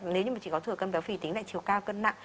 nếu như mà chỉ có thừa cân béo phì tính lại chiều cao cân nặng